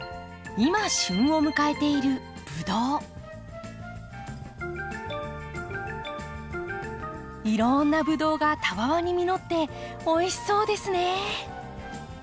今旬を迎えているいろんなブドウがたわわに実っておいしそうですね。